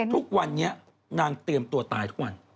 ทุกวันนี้นางเตรียมตัวตายทุกวัน